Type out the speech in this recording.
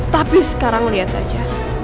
tapi sekarang lihat aja